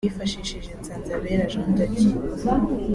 twifashishije Nsanzabera Jean de Dieu